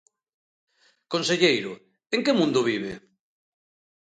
Conselleiro, ¿en que mundo vive?